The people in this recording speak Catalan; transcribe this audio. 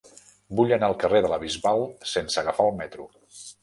Vull anar al carrer de la Bisbal sense agafar el metro.